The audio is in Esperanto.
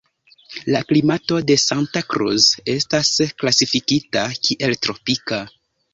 La klimato de Santa Cruz estas klasifikita kiel tropika.